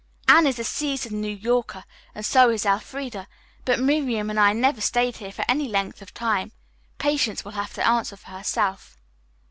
"Anne is a seasoned New Yorker and so is Elfreda, but Miriam and I never stayed here for any length of time. Patience will have to answer for herself."